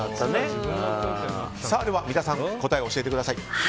では三田さん答えを教えてください。